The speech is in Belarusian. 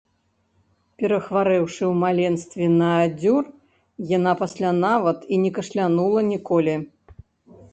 Перахварэўшы ў маленстве на адзёр, яна пасля нават і не кашлянула ніколі.